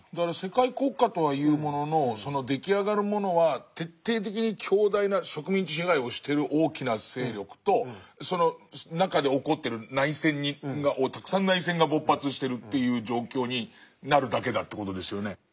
世界国家とは言うもののその出来上がるものは徹底的に強大な植民地支配をしてる大きな勢力とその中で起こってる内戦たくさん内戦が勃発してるという状況になるだけだって事ですよね。